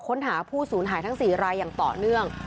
ค้นหาผู้สูญหายทั้ง๔รายอย่างต่อเนื่อง